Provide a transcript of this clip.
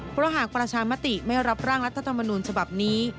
เพราะหากประชามติไม่รับร่างรัฐธรรมนูญฉบับนี้